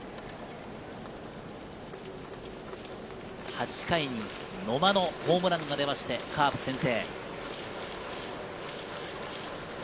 ８回に野間のホームランが出て、カープ先制。